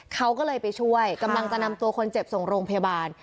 เขาก็เลยไปช่วยกำลังจะนำตัวคนเจ็บส่งโรงพยาบาล